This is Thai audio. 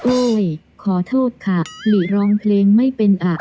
ขอโทษค่ะหลีร้องเพลงไม่เป็นอ่ะ